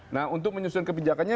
nah untuk menyusun kebijakannya